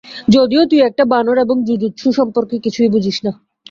যদিও তুই একটা বানর এবং জুজুৎসু সম্পর্কে কিছুই বুঝিস না।